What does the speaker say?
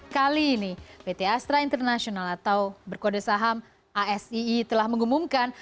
kali ini pt astra international atau berkode saham asie telah mengumumkan